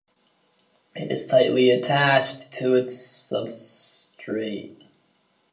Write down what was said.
It is tightly attached to its substrate.